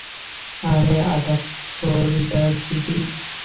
আরে আদাব ফরিদা বিবি!